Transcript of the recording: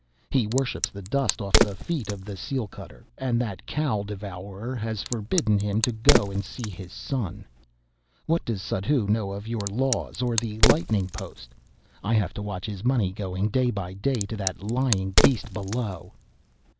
He worships the dust off the feet of the seal cutter, and that cow devourer has forbidden him to go and see his son. What does Suddhoo know of your laws or the lightning post? I have to watch his money going day by day to that lying beast below."